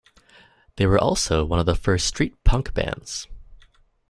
They were also one of the first street punk bands.